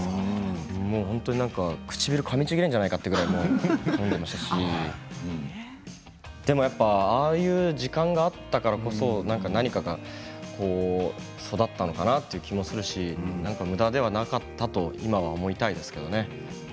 本当に唇、かみちぎれるんじゃないかというぐらいかんでいましたしでも、ああいう時間があったから何かが育ったのかなという気もするしむだではなかったと今は思いたいですけれどね。